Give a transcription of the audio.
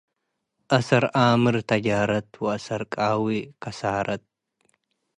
አሰር ኣምር ተጃረት ወአሰር ቃዊ ከሳረት።